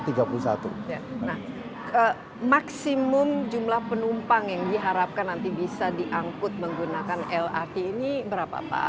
nah maksimum jumlah penumpang yang diharapkan nanti bisa diangkut menggunakan lrt ini berapa pak